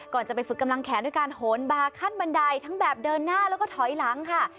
ก่อนจะไปฝึกกำลังแขนด้วยการโหนบาร์ขั้นบันไดทั้งแบบเดินหน้าแล้วก็ถอยหลังค่ะ